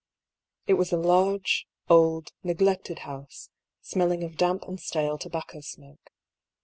It was a large, old, neglected house, smelling of damp and stale tobacco smoke.